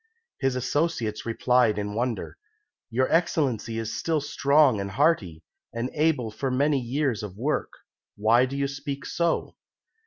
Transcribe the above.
His associates replied in wonder, "Your Excellency is still strong and hearty, and able for many years of work; why do you speak so?"